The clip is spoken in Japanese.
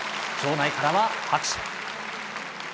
場内からは拍手。